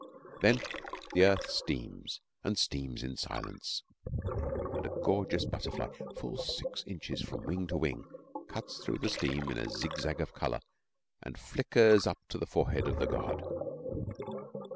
Then the earth steams, and steams in silence, and a gorgeous butterfly, full six inches from wing to wing, cuts through the steam in a zigzag of colour and flickers up to the forehead of the god.